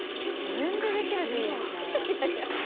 自分でできるっていいですね